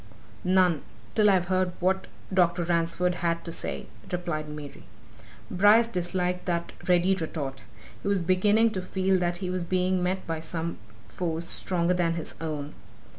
"None, till I've heard what Dr. Ransford had to say," replied Mary. Bryce disliked that ready retort. He was beginning to feel that he was being met by some force stronger than his own.